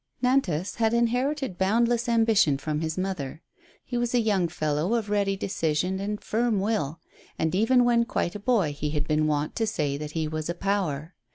Nantas had inherited boundless ambition from his mother. He was a young fellow of ready decision and firm will; and even when quite a boy he had been wont to say that he was a power.